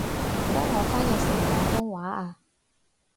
幫我翻譯成廣東話吖